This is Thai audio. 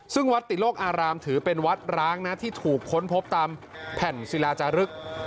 ซึ่งวัดติโลกอารามถือเป็นวัดร้างนะที่ถูกค้นพบตามแผ่นศิลาจารึก